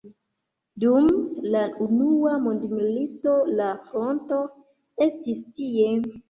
Dum la unua mondmilito la fronto estis tie.